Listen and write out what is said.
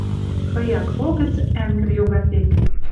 Хыяк логӹц ӓнгӹр йога тек.